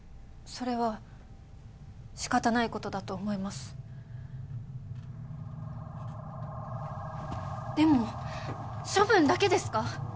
それはしかたないことだと思いますでも処分だけですか？